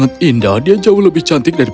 ketika dia memjakini